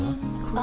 あ！